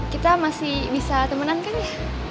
kita masih bisa temenan kan ya